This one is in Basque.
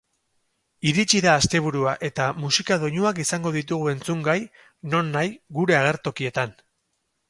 Iritsi da asteburua, eta musika doinuak izango ditugu entzungai nonahi gure agertokietan!